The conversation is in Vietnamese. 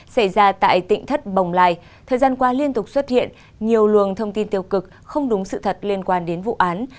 xảy ra tại tỉnh thất bồng lai thời gian qua liên tục xuất hiện nhiều luồng thông tin tiêu cực không đúng sự thật liên quan đến vụ án